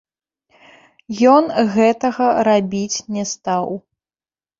Ён гэтага рабіць не стаў.